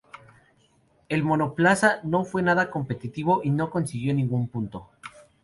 El monoplaza no fue nada competitivo y no consiguió ningún punto.